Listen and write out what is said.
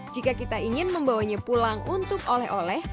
jika kita ingin membawanya pulang untuk oleh oleh